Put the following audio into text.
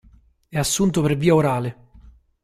È assunto per via orale.